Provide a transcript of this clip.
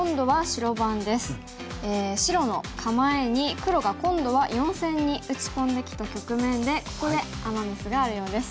白の構えに黒が今度は４線に打ち込んできた局面でここでアマ・ミスがあるようです。